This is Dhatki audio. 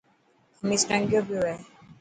کميس ٽنگيو پيو هي.